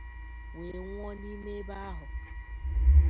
wee nwụọ n'ime ebe ahụ.